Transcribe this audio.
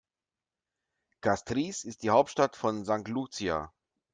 Castries ist die Hauptstadt von St. Lucia.